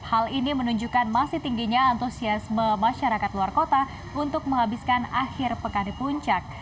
hal ini menunjukkan masih tingginya antusiasme masyarakat luar kota untuk menghabiskan akhir pekan di puncak